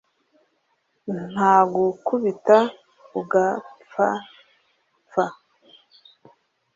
nta gukubita ugaphapfa